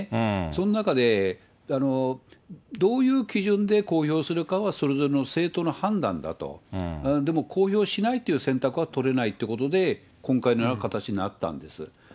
その中でどういう基準で公表するかはそれぞれの政党の判断だと、でも公表しないって選択は取れないってことで、今回のような形になったんです。